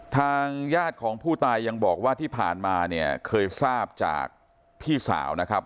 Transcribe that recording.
ทางญาติของผู้ตายยังบอกว่าที่ผ่านมาเนี่ยเคยทราบจากพี่สาวนะครับ